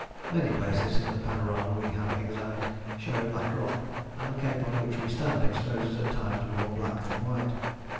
Many places in the panorama we have examined show black rock, and the cape on which we stand exposes at times more black than white.